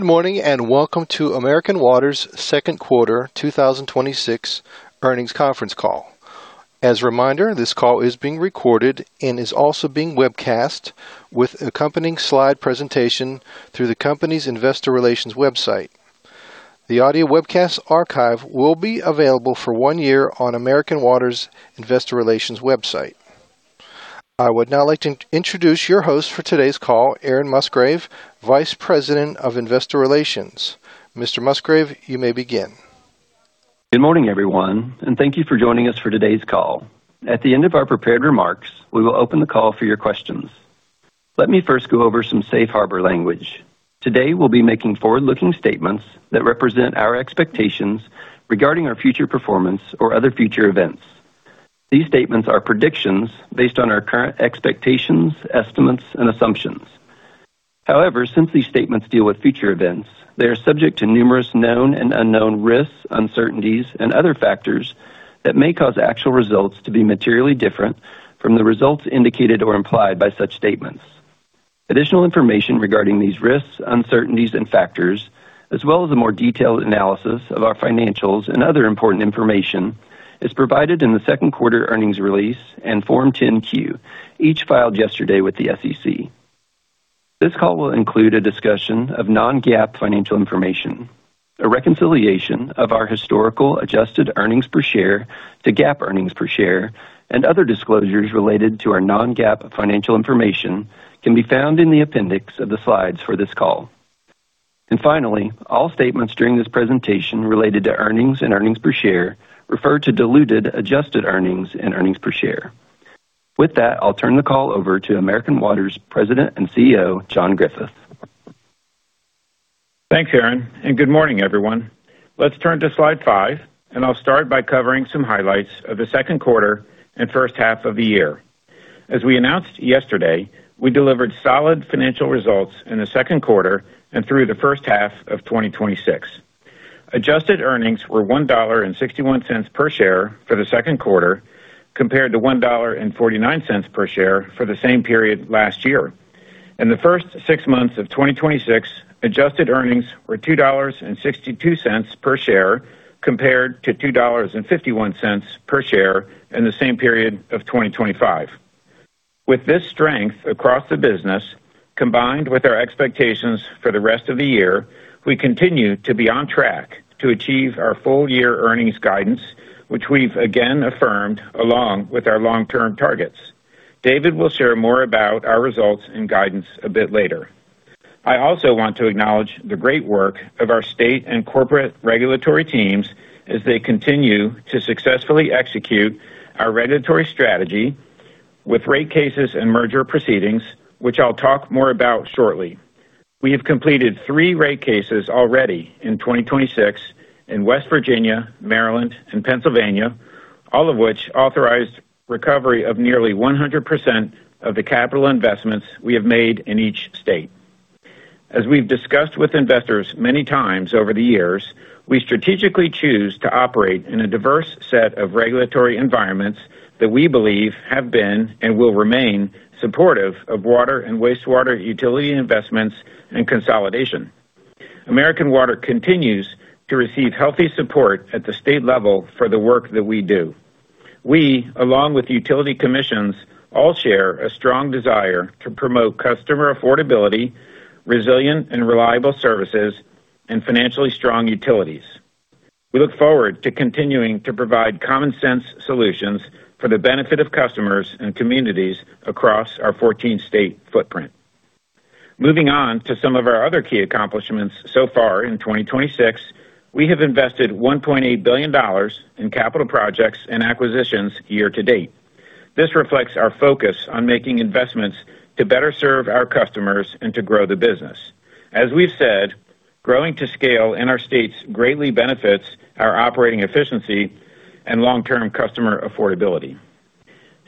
Welcome to American Water's second quarter 2026 earnings conference call. As a reminder, this call is being recorded and is also being webcast with accompanying slide presentation through the company's investor relations website. The audio webcast archive will be available for one year on American Water's investor relations website. I would now like to introduce your host for today's call, Aaron Musgrave, Vice President of Investor Relations. Mr. Musgrave, you may begin. Good morning, everyone, and thank you for joining us for today's call. At the end of our prepared remarks, we will open the call for your questions. Let me first go over some safe harbor language. Today, we'll be making forward-looking statements that represent our expectations regarding our future performance or other future events. These statements are predictions based on our current expectations, estimates, and assumptions. However, since these statements deal with future events, they are subject to numerous known and unknown risks, uncertainties, and other factors that may cause actual results to be materially different from the results indicated or implied by such statements. Additional information regarding these risks, uncertainties and factors, as well as a more detailed analysis of our financials and other important information, is provided in the second quarter earnings release and Form 10-Q, each filed yesterday with the SEC. This call will include a discussion of non-GAAP financial information. A reconciliation of our historical adjusted earnings per share to GAAP earnings per share and other disclosures related to our non-GAAP financial information can be found in the appendix of the slides for this call. Finally, all statements during this presentation related to earnings and earnings per share refer to diluted adjusted earnings and earnings per share. With that, I'll turn the call over to American Water's President and CEO, John Griffith. Thanks, Aaron, and good morning, everyone. Let's turn to slide five, and I'll start by covering some highlights of the second quarter and first half of the year. As we announced yesterday, we delivered solid financial results in the second quarter and through the first half of 2026. Adjusted earnings were $1.61 per share for the second quarter, compared to $1.49 per share for the same period last year. In the first six months of 2026, adjusted earnings were $2.62 per share, compared to $2.51 per share in the same period of 2025. With this strength across the business, combined with our expectations for the rest of the year, we continue to be on track to achieve our full year earnings guidance, which we've again affirmed along with our long-term targets. David will share more about our results and guidance a bit later. I also want to acknowledge the great work of our state and corporate regulatory teams as they continue to successfully execute our regulatory strategy with rate cases and merger proceedings, which I'll talk more about shortly. We have completed three rate cases already in 2026 in West Virginia, Maryland, and Pennsylvania, all of which authorized recovery of nearly 100% of the capital investments we have made in each state. As we've discussed with investors many times over the years, we strategically choose to operate in a diverse set of regulatory environments that we believe have been and will remain supportive of water and wastewater utility investments and consolidation. American Water continues to receive healthy support at the state level for the work that we do. We, along with utility commissions, all share a strong desire to promote customer affordability, resilient and reliable services, and financially strong utilities. We look forward to continuing to provide common sense solutions for the benefit of customers and communities across our 14 state footprint. Moving on to some of our other key accomplishments so far in 2026, we have invested $1.8 billion in capital projects and acquisitions year to date. This reflects our focus on making investments to better serve our customers and to grow the business. As we've said, growing to scale in our states greatly benefits our operating efficiency and long-term customer affordability.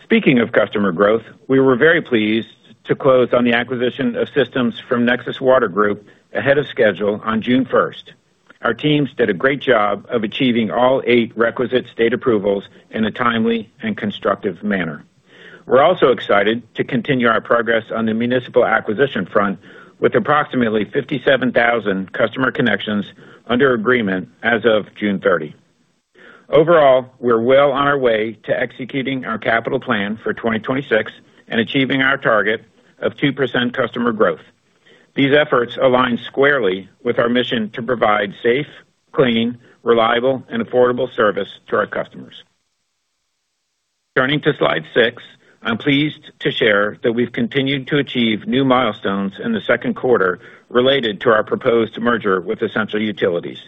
Speaking of customer growth, we were very pleased to close on the acquisition of systems from Nexus Water Group ahead of schedule on June 1st. Our teams did a great job of achieving all eight requisite state approvals in a timely and constructive manner. We're also excited to continue our progress on the municipal acquisition front with approximately 57,000 customer connections under agreement as of June 30. Overall, we're well on our way to executing our capital plan for 2026 and achieving our target of 2% customer growth. These efforts align squarely with our mission to provide safe, clean, reliable, and affordable service to our customers. Turning to slide six, I'm pleased to share that we've continued to achieve new milestones in the second quarter related to our proposed merger with Essential Utilities.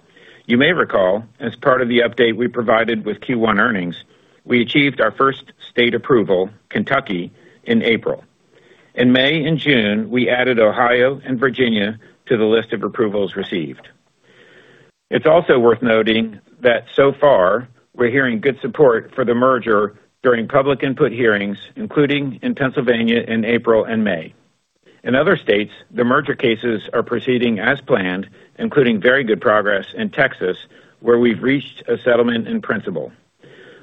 You may recall, as part of the update we provided with Q1 earnings, we achieved our first state approval, Kentucky, in April. In May and June, we added Ohio and Virginia to the list of approvals received. It's also worth noting that so far, we're hearing good support for the merger during public input hearings, including in Pennsylvania in April and May. In other states, the merger cases are proceeding as planned, including very good progress in Texas, where we've reached a settlement in principle.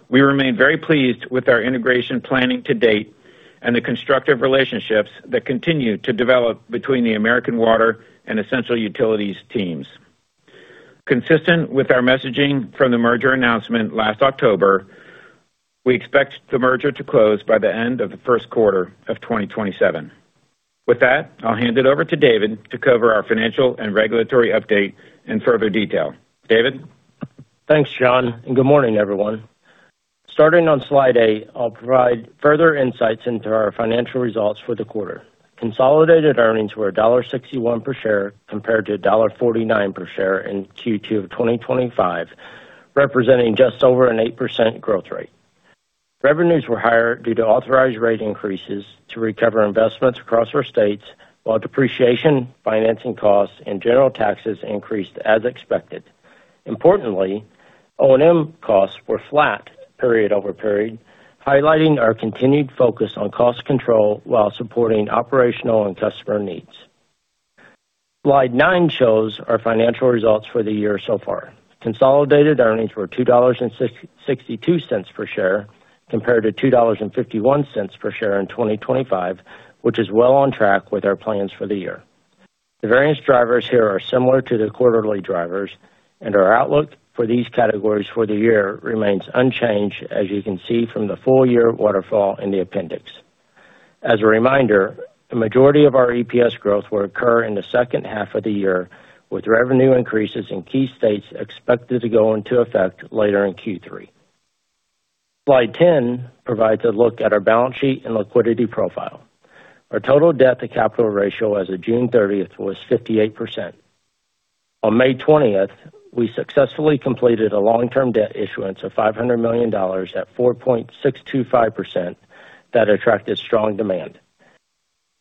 We remain very pleased with our integration planning to date and the constructive relationships that continue to develop between the American Water and Essential Utilities teams. Consistent with our messaging from the merger announcement last October, we expect the merger to close by the end of the first quarter of 2027. With that, I'll hand it over to David to cover our financial and regulatory update in further detail. David? Thanks, John, and good morning, everyone. Starting on slide eight, I'll provide further insights into our financial results for the quarter. Consolidated earnings were $1.61 per share, compared to $1.49 per share in Q2 of 2025, representing just over an 8% growth rate. Revenues were higher due to authorized rate increases to recover investments across our states, while depreciation, financing costs, and general taxes increased as expected. Importantly, O&M costs were flat period-over-period, highlighting our continued focus on cost control while supporting operational and customer needs. Slide nine shows our financial results for the year so far. Consolidated earnings were $2.62 per share compared to $2.51 per share in 2025, which is well on track with our plans for the year. The variance drivers here are similar to the quarterly drivers, and our outlook for these categories for the year remains unchanged, as you can see from the full-year waterfall in the appendix. As a reminder, the majority of our EPS growth will occur in the second half of the year, with revenue increases in key states expected to go into effect later in Q3. Slide 10 provides a look at our balance sheet and liquidity profile. Our total debt to capital ratio as of June 30th was 58%. On May 20th, we successfully completed a long-term debt issuance of $500 million at 4.625% that attracted strong demand.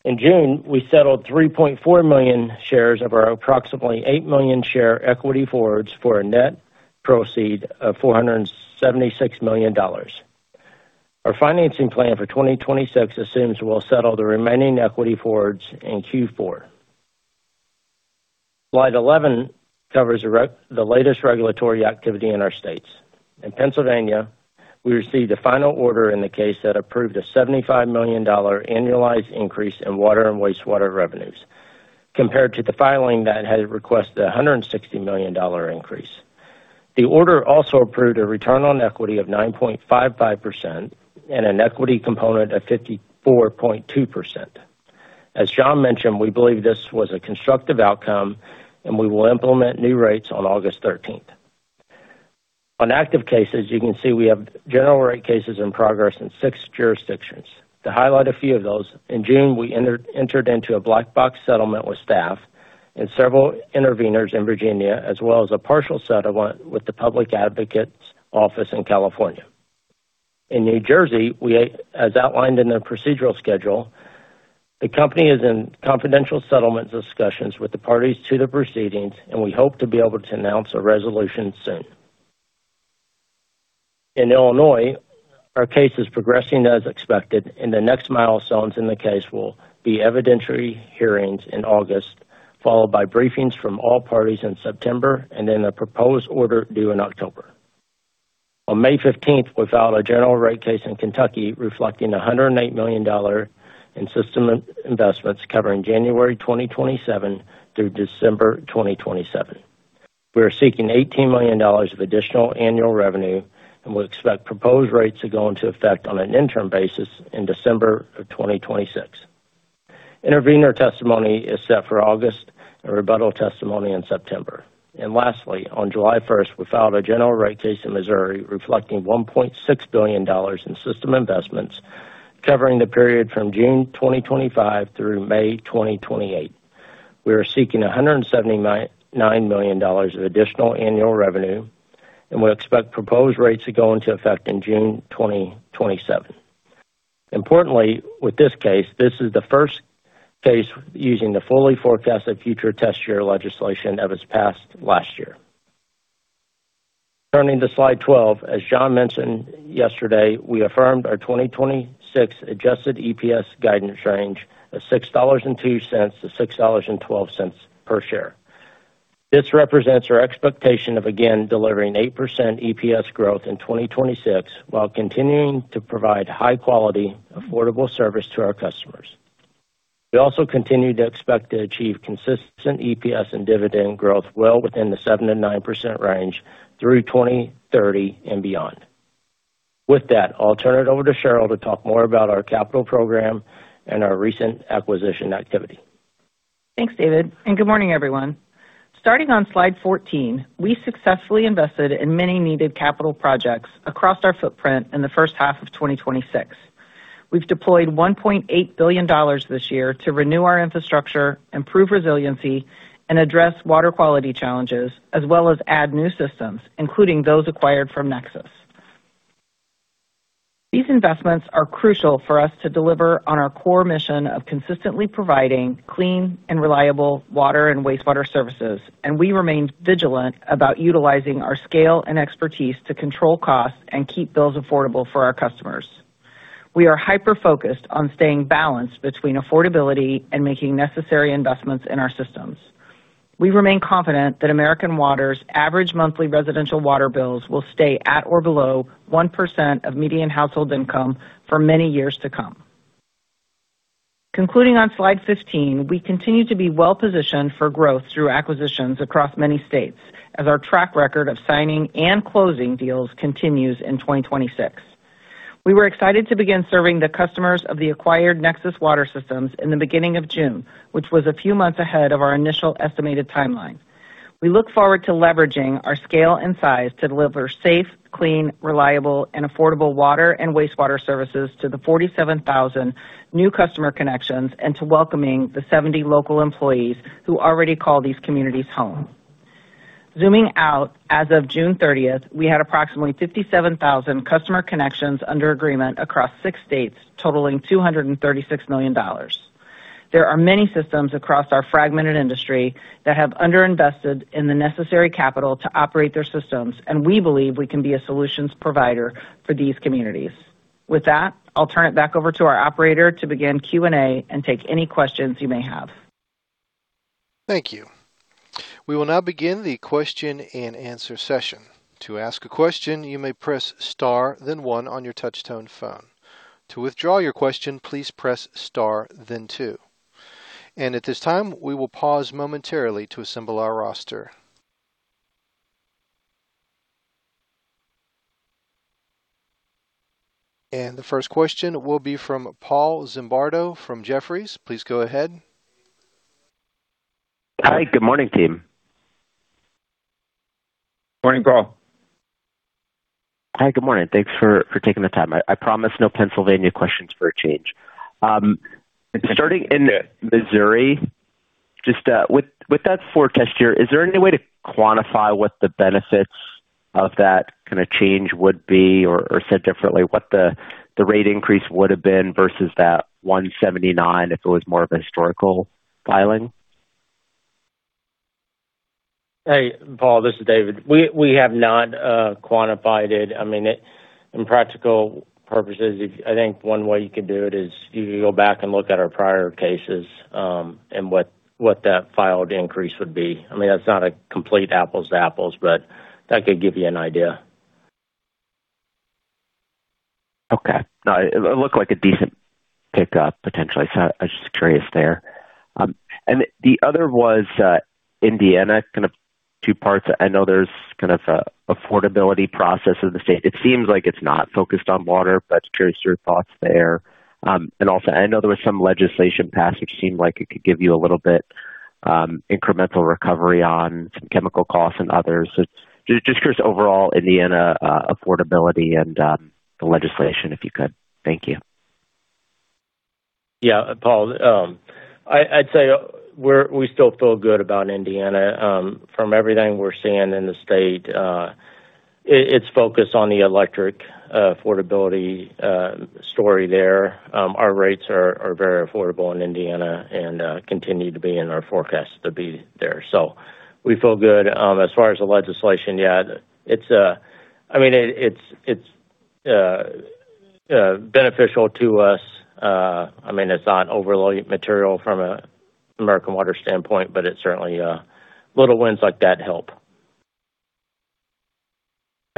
In June, we settled 3.4 million shares of our approximately eight million share equity forwards for a net proceed of $476 million. Our financing plan for 2026 assumes we'll settle the remaining equity forwards in Q4. Slide 11 covers the latest regulatory activity in our states. In Pennsylvania, we received a final order in the case that approved a $75 million annualized increase in water and wastewater revenues, compared to the filing that had requested $160 million increase. The order also approved a return on equity of 9.55% and an equity component of 54.2%. As John mentioned, we believe this was a constructive outcome, and we will implement new rates on August 13th. On active cases, you can see we have general rate cases in progress in six jurisdictions. To highlight a few of those, in June, we entered into a black box settlement with staff and several interveners in Virginia, as well as a partial settlement with the Public Advocates Office in California. In New Jersey, as outlined in the procedural schedule, the company is in confidential settlement discussions with the parties to the proceedings, and we hope to be able to announce a resolution soon. In Illinois, our case is progressing as expected, and the next milestones in the case will be evidentiary hearings in August, followed by briefings from all parties in September, and then a proposed order due in October. On May 15th, we filed a general rate case in Kentucky reflecting $108 million in system investments covering January 2027 through December 2027. We are seeking $18 million of additional annual revenue and would expect proposed rates to go into effect on an interim basis in December of 2026. Intervenor testimony is set for August and rebuttal testimony in September. Lastly, on July 1, we filed a general rate case in Missouri reflecting $1.6 billion in system investments covering the period from June 2025 through May 2028. We are seeking $179 million of additional annual revenue, and we expect proposed rates to go into effect in June 2027. Importantly, with this case, this is the first case using the fully forecasted future test year legislation that was passed last year. Turning to slide 12, as John mentioned yesterday, we affirmed our 2026 adjusted EPS guidance range of $6.02 to $6.12 per share. This represents our expectation of again delivering 8% EPS growth in 2026 while continuing to provide high-quality, affordable service to our customers. We also continue to expect to achieve consistent EPS and dividend growth well within the 7%-9% range through 2030 and beyond. With that, I'll turn it over to Cheryl to talk more about our capital program and our recent acquisition activity. Thanks, David, good morning, everyone. Starting on slide 14, we successfully invested in many needed capital projects across our footprint in the first half of 2026. We've deployed $1.8 billion this year to renew our infrastructure, improve resiliency, and address water quality challenges, as well as add new systems, including those acquired from Nexus. These investments are crucial for us to deliver on our core mission of consistently providing clean and reliable water and wastewater services, and we remain vigilant about utilizing our scale and expertise to control costs and keep bills affordable for our customers. We are hyper-focused on staying balanced between affordability and making necessary investments in our systems. We remain confident that American Water's average monthly residential water bills will stay at or below 1% of median household income for many years to come. Concluding on slide 15, we continue to be well-positioned for growth through acquisitions across many states as our track record of signing and closing deals continues in 2026. We were excited to begin serving the customers of the acquired Nexus Water systems in the beginning of June, which was a few months ahead of our initial estimated timeline. We look forward to leveraging our scale and size to deliver safe, clean, reliable, and affordable water and wastewater services to the 47,000 new customer connections and to welcoming the 70 local employees who already call these communities home. Zooming out, as of June 30, we had approximately 57,000 customer connections under agreement across six states, totaling $236 million. We believe we can be a solutions provider for these communities. With that, I'll turn it back over to our operator to begin Q&A and take any questions you may have. Thank you. We will now begin the question-and-answer session. To ask a question, you may press star then one on your touch tone phone. To withdraw your question, please press star then two. At this time, we will pause momentarily to assemble our roster. The first question will be from Paul Zimbardo from Jefferies. Please go ahead. Hi. Good morning, team. Morning, Paul. Hi, good morning. Thanks for taking the time. I promise no Pennsylvania questions for a change. Starting in Missouri, just with that forecast year, is there any way to quantify what the benefits of that change would be? Or said differently, what the rate increase would have been versus that 179 if it was more of a historical filing? Hey, Paul, this is David. We have not quantified it. In practical purposes, I think one way you could do it is you could go back and look at our prior cases, and what that filed increase would be. That's not a complete apples to apples, but that could give you an idea. Okay. It looked like a decent pickup, potentially. I was just curious there. The other was Indiana, kind of two parts. I know there's an affordability process of the state. It seems like it's not focused on water, but curious your thoughts there. Also, I know there was some legislation passed, which seemed like it could give you a little bit incremental recovery on some chemical costs and others. Just curious overall Indiana affordability and the legislation, if you could. Thank you. Yeah. Paul, I'd say we still feel good about Indiana. From everything we're seeing in the state, it's focused on the electric affordability story there. Our rates are very affordable in Indiana and continue to be in our forecast to be there. We feel good. As far as the legislation, yeah, it's beneficial to us. It's not overly material from an American Water standpoint, but certainly, little wins like that help.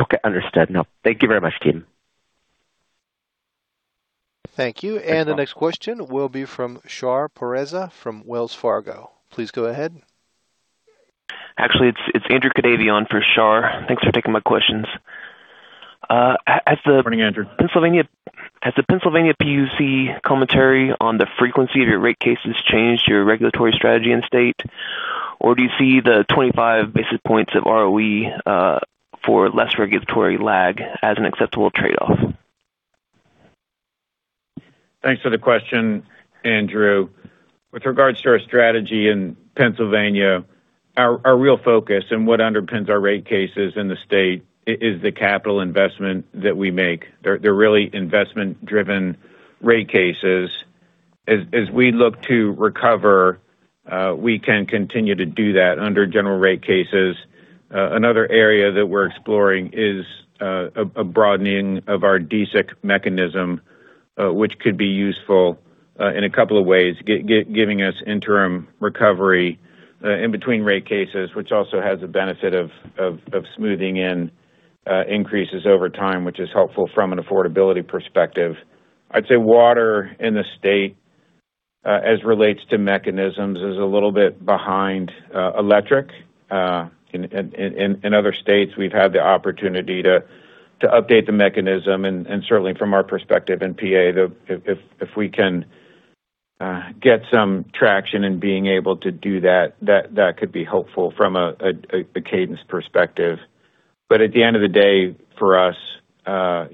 Okay, understood. No, thank you very much, team. Thank you. Thanks, Paul. The next question will be from Shahriar Pourreza from Wells Fargo. Please go ahead. Actually, it's Andrew Kadavy on for Shar. Thanks for taking my questions. Morning, Andrew. Has the Pennsylvania PUC commentary on the frequency of your rate cases changed your regulatory strategy in state? Or do you see the 25 basis points of ROE for less regulatory lag as an acceptable trade-off? Thanks for the question, Andrew. With regards to our strategy in Pennsylvania, our real focus and what underpins our rate cases in the state is the capital investment that we make. They're really investment-driven rate cases. As we look to recover, we can continue to do that under general rate cases. Another area that we're exploring is a broadening of our DSIC mechanism, which could be useful in a couple of ways, giving us interim recovery in between rate cases, which also has the benefit of smoothing in increases over time, which is helpful from an affordability perspective. I'd say water in the state, as relates to mechanisms, is a little bit behind electric. In other states, we've had the opportunity to update the mechanism, and certainly from our perspective in PA, if we can get some traction in being able to do that could be helpful from a cadence perspective. At the end of the day, for us, our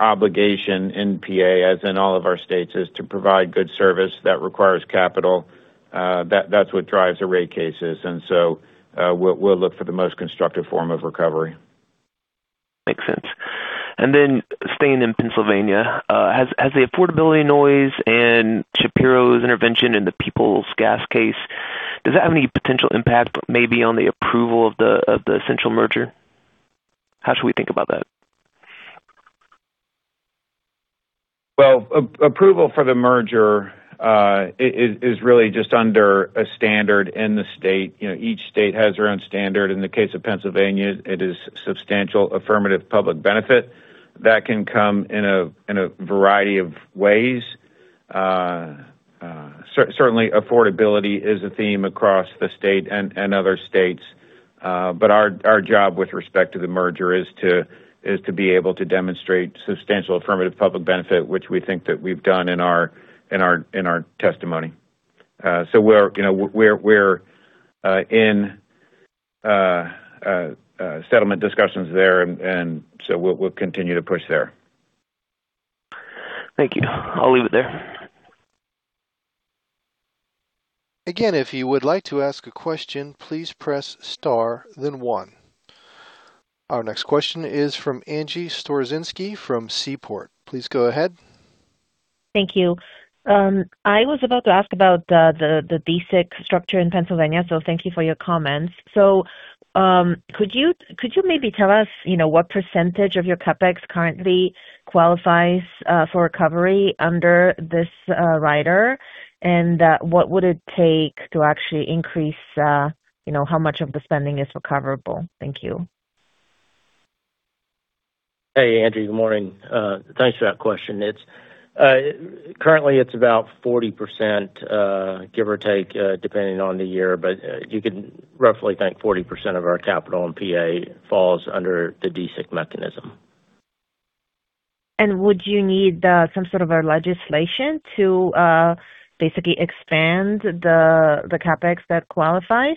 obligation in PA, as in all of our states, is to provide good service that requires capital. That's what drives the rate cases, and so we'll look for the most constructive form of recovery. Makes sense. Then staying in Pennsylvania, has the affordability noise and Shapiro's intervention in the Peoples Gas case Does that have any potential impact, maybe on the essential merger? How should we think about that? Well, approval for the merger is really just under a standard in the state. Each state has their own standard. In the case of Pennsylvania, it is substantial affirmative public benefit that can come in a variety of ways. Certainly, affordability is a theme across the state and other states. Our job with respect to the merger is to be able to demonstrate substantial affirmative public benefit, which we think that we've done in our testimony. We're in settlement discussions there, and so we'll continue to push there. Thank you. I'll leave it there. Again, if you would like to ask a question, please press star then one. Our next question is from Angie Storozynski from Seaport. Please go ahead. Thank you. I was about to ask about the DSIC structure in Pennsylvania, thank you for your comments. Could you maybe tell us what percentage of your CapEx currently qualifies for recovery under this rider? What would it take to actually increase how much of the spending is recoverable? Thank you. Hey, Angie. Good morning. Thanks for that question. Currently, it's about 40%, give or take, depending on the year. You can roughly think 40% of our capital in PA falls under the DSIC mechanism. Would you need some sort of a legislation to basically expand the CapEx that qualifies?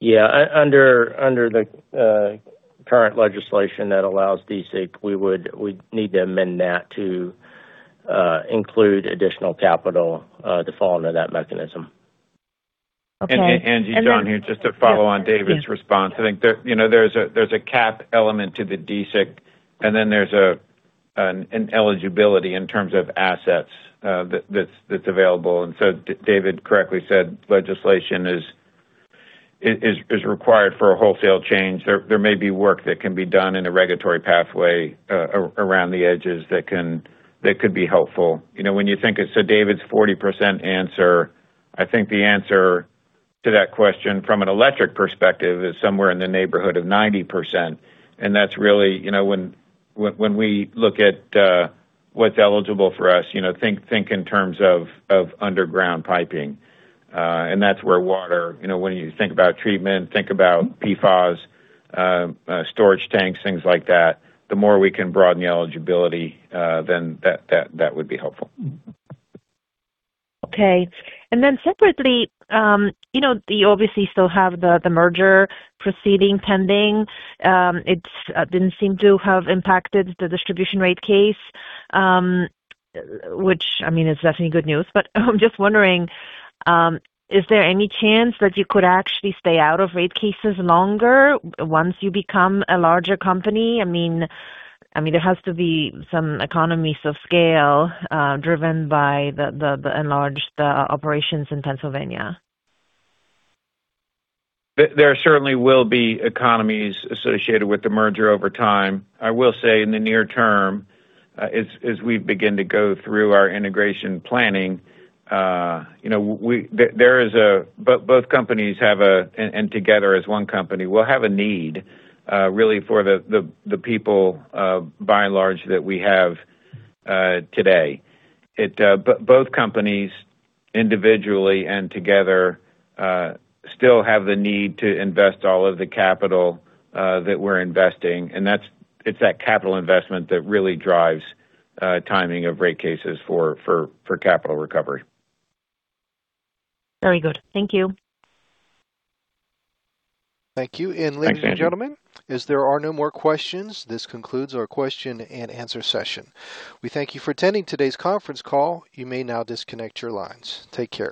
Yeah. Under the current legislation that allows DSIC, we'd need to amend that to include additional capital to fall under that mechanism. Okay. Angie, John here, just to follow on David's response. I think there's a CapEx element to the DSIC, and then there's an eligibility in terms of assets that's available. David correctly said legislation is required for a wholesale change. There may be work that can be done in a regulatory pathway around the edges that could be helpful. David's 40% answer, I think the answer to that question from an electric perspective is somewhere in the neighborhood of 90%. That's really when we look at what's eligible for us, think in terms of underground piping. That's where water, when you think about treatment, think about PFAS storage tanks, things like that. The more we can broaden the eligibility, then that would be helpful. Okay. Separately, you obviously still have the merger proceeding pending. It didn't seem to have impacted the distribution rate case, which is definitely good news. I'm just wondering, is there any chance that you could actually stay out of rate cases longer once you become a larger company? There has to be some economies of scale driven by the enlarged operations in Pennsylvania. There certainly will be economies associated with the merger over time. I will say in the near term, as we begin to go through our integration planning, both companies, and together as one company, we'll have a need really for the people by and large that we have today. Both companies, individually and together still have the need to invest all of the capital that we're investing, and it's that capital investment that really drives timing of rate cases for capital recovery. Very good. Thank you. Thank you. Thanks, Angie. Ladies and gentlemen, as there are no more questions, this concludes our question and answer session. We thank you for attending today's conference call. You may now disconnect your lines. Take care.